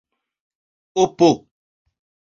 opo